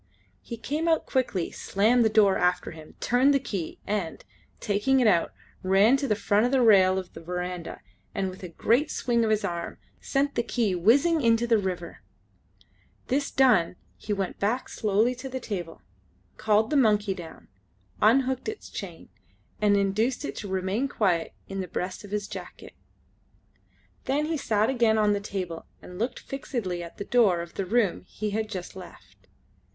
He came out quickly, slammed the door after him, turned the key, and, taking it out, ran to the front rail of the verandah, and, with a great swing of his arm, sent the key whizzing into the river. This done he went back slowly to the table, called the monkey down, unhooked its chain, and induced it to remain quiet in the breast of his jacket. Then he sat again on the table and looked fixedly at the door of the room he had just left.